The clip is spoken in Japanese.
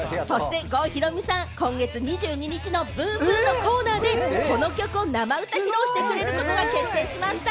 そして郷ひろみさん、今月２２日のｂｏｏｍｂｏｏｍのコーナーで生歌を披露してくれることが決定しました。